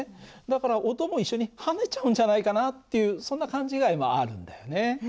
だから音も一緒に跳ねちゃうんじゃないかなっていうそんな勘違いもあるんだよね。